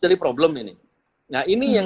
jadi problem ini nah ini yang